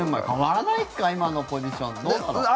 変わらないか今のポジションと。